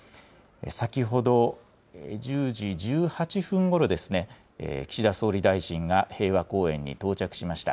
先ほど１０時１８分ごろですね、岸田総理大臣が平和公園に到着しました。